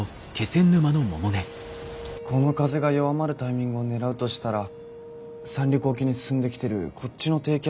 この風が弱まるタイミングを狙うとしたら三陸沖に進んできてるこっちの低気圧が通過した直後しかないな。